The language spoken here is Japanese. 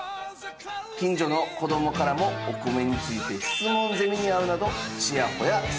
近所の子供からもお米について質問攻めに合うなどちやほやされたんだとか。